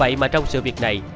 vậy mà trong sự việc này